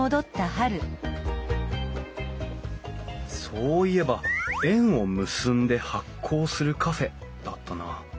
そういえば「縁を結んで発酵するカフェ」だったな。